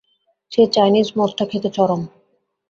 সেই চাইনিজ মদটা খেতে চরম।